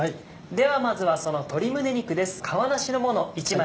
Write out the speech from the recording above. ではまずはその鶏胸肉です。